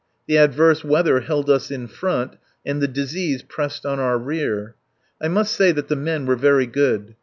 The adverse weather held us in front and the disease pressed on our rear. I must say that the men were very good.